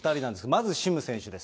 まずシム選手です。